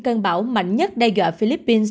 cơn bão mạnh nhất đe dọa philippines